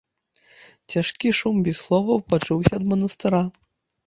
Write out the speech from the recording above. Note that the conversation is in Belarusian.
Цяжкі шум без слоў пачуўся ад манастыра.